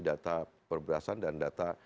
data perberasan dan data